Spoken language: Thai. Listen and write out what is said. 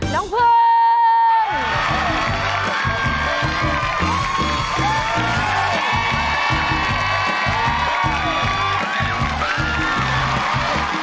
น้องเพลิง